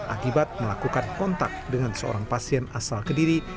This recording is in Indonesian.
akibat melakukan kontak dengan seorang pasien asal kediri